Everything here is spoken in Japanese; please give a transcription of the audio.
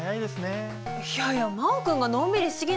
いやいや真旺君がのんびりしすぎなんじゃないの？